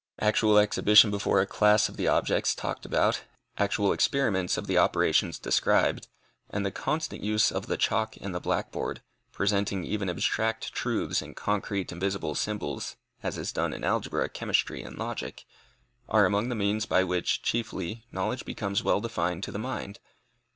Actual exhibition before a class of the objects talked about, actual experiments of the operations described, and the constant use of the chalk and the blackboard, presenting even abstract truths in concrete and visible symbols, as is done in algebra, chemistry, and logic, are among the means by which, chiefly, knowledge becomes well defined to the mind.